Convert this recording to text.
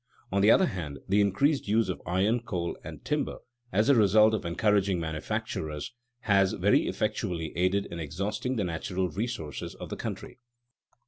On the other hand, the increased use of iron, coal, and timber, as a result of encouraging manufactures, has very effectually aided in exhausting the natural resources of the country.